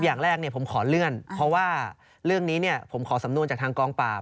อย่างแรกผมขอเลื่อนเพราะว่าเรื่องนี้ผมขอสำนวนจากทางกองปราบ